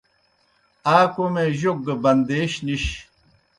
آ کوْمے جوک گہ بَندَیش نِش۔